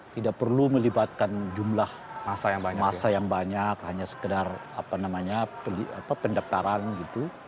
tidak perlu melibatkan jumlah masa yang banyak hanya sekedar pendaftaran gitu